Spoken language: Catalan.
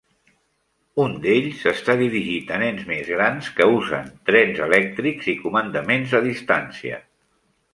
Un d'ells està dirigit a nens més grans que usen trens elèctrics i comandaments a distància.